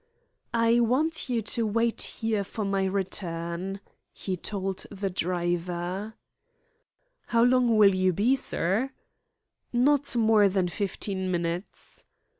"I want you to wait here for my return," he told the driver. "How long will you be, sir?" "Not more than fifteen minutes."